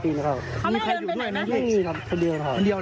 เพื่อนบ้านเจ้าหน้าที่อำรวจกู้ภัย